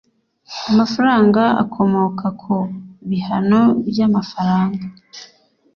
Amafaranga akomoka ku bihano by amafaranga